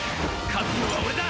勝つのは俺だ！